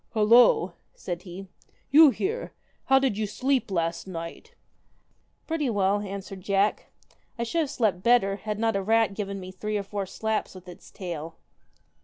1 Halloo 1 ' said he, 'you here ! How did you sleep last night ?'' Pretty well,' answered Jack. ' I should have slept better, had not a rat given me three or four slaps with its tail.'